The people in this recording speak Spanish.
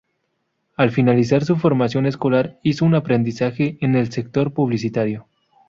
Al finalizar su formación escolar hizo un aprendizaje en el sector publicitario.